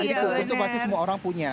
jadi kukus itu pasti semua orang punya